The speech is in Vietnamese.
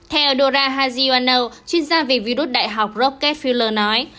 theo dora haziano chuyên gia về virus đại học rockefeller nói